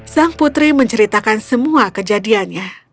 sang putri menceritakan semua kejadiannya